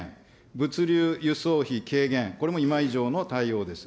物流輸送費軽減、これも今以上の対応です。